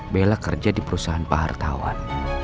bella kerja di perusahaan pak hartawan